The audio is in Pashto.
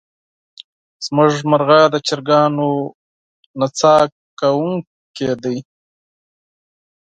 زمونږ مرغه د چرګانو نڅا کوونکې دی.